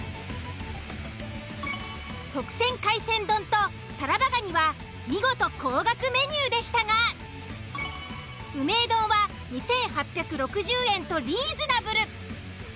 特選海鮮丼とタラバガニは見事高額メニューでしたがうめぇ丼は２，８６０円とリーズナブル。